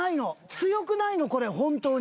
強くないのこれ本当に！